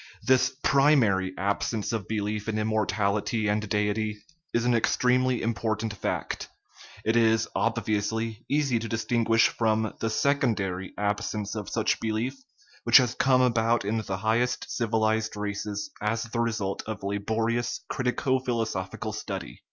This primary absence of belief in im mortality and deity is an extremely important fact ; it is, obviously, easy to distinguish from the secondary absence of such belief, which has come about in the highest civilized races as the result of laborious critico philosophical study.